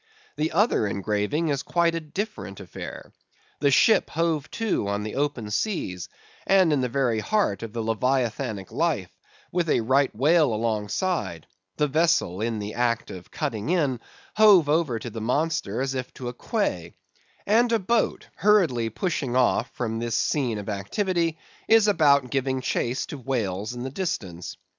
The other engraving is quite a different affair: the ship hove to upon the open sea, and in the very heart of the Leviathanic life, with a Right Whale alongside; the vessel (in the act of cutting in) hove over to the monster as if to a quay; and a boat, hurriedly pushing off from this scene of activity, is about giving chase to whales in the distance.